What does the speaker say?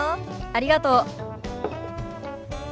ありがとう。